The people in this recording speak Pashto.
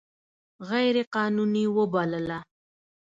غیر قانوني وبلله.